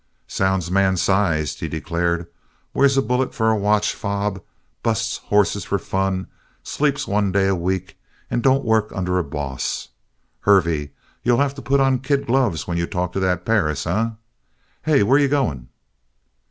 "Sounds man sized," he declared. "Wears a bullet for a watch fob, busts hosses for fun, sleeps one day a week, and don't work under a boss. Hervey, you'll have to put on kid gloves when you talk to that Perris, eh? Hey, where you going?"